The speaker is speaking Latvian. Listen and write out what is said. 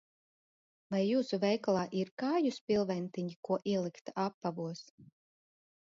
Vai jūsu veikalā ir kāju spilventiņi, ko ielikt apavos?